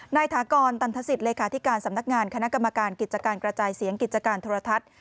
ถากรตันทศิษย์เลขาธิการสำนักงานคณะกรรมการกิจการกระจายเสียงกิจการโทรทัศน์